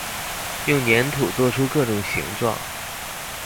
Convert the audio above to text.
用黏土做出各種形狀